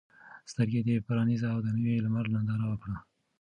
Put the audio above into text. سترګې دې پرانیزه او د نوي لمر ننداره وکړه.